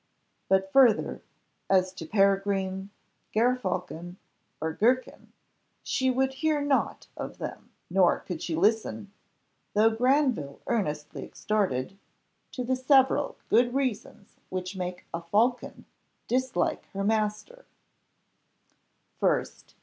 But further, as to Peregrine, Gerfalcon, or Gerkin, she would hear nought of them, nor could she listen, though Granville earnestly exhorted, to the several good reasons which make a falcon dislike her master 1st.